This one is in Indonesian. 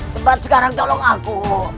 sebab sekarang tolong aku